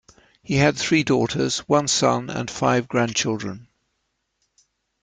He had three daughters, one son, and five grandchildren.